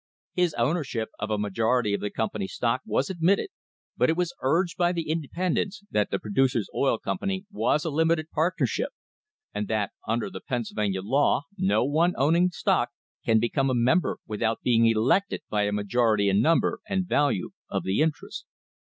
His ownership of a majority of the company's stock was admitted, but it was urged by the independents that the Producers' Oil Company was a limited partnership, and that under the Pennsylvania A MODERN WAR FOR INDEPENDENCE law no one owning stock can become a member without being elected by a majority in number and value of the in terests.